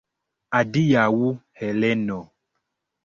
Adiaŭ, Heleno!